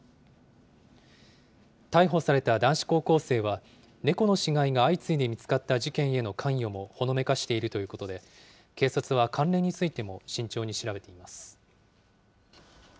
逮捕された男子高校生は、猫の死骸が相次いで見つかった事件への関与もほのめかしているということで、警察は関連についても慎重に調べています。